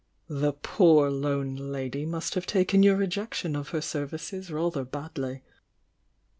"The poor lone lady' must have taken your rejection of her services rather badly."